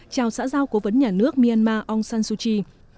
chào xã giao cố vấn nhà nước myanmar aung san suu kyi